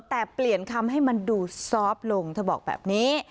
แต่เปลี่ยนคำให้มันดูซอฟต์ลงเธอบอกแบบนี้